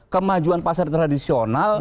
kemajuan pasar tradisional